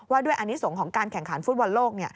ด้วยอนิสงฆ์ของการแข่งขันฟุตบอลโลก